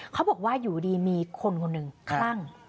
เขาบอกว่าอยู่ดีมีคนคนหนึ่งคลั่ง